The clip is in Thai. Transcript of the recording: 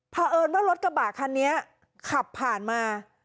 เพราะเอิญว่ารถกระบะคันนี้ขับผ่านมา